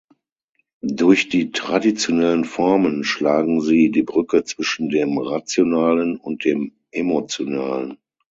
Durch die traditionellen Formen schlagen sie die Brücke zwischen dem Rationalen und dem Emotionalen.